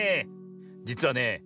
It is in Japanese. じつはね